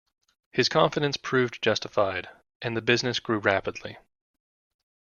His confidence proved justified and the business grew rapidly.